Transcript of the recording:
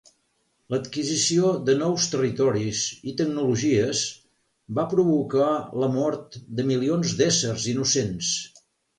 L'adquisició de nous territoris i tecnologies va provocar la mort de milions d'éssers innocents.